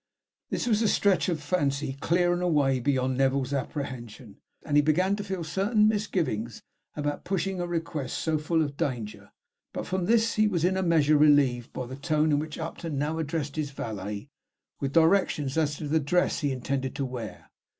This was a stretch of fancy clear and away beyond Neville's apprehension, and he began to feel certain misgivings about pushing a request so full of danger; but from this he was in a measure relieved by the tone in which Upton now addressed his valet with directions as to the dress he intended to wear.